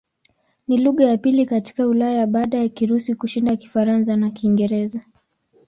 Ni lugha ya pili katika Ulaya baada ya Kirusi kushinda Kifaransa na Kiingereza.